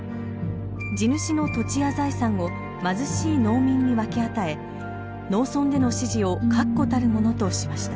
地主の土地や財産を貧しい農民に分け与え農村での支持を確固たるものとしました。